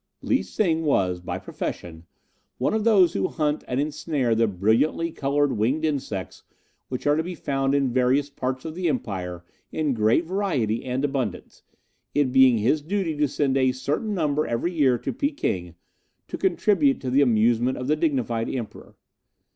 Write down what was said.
"Lee Sing was, by profession, one of those who hunt and ensnare the brilliantly coloured winged insects which are to be found in various parts of the Empire in great variety and abundance, it being his duty to send a certain number every year to Peking to contribute to the amusement of the dignified Emperor.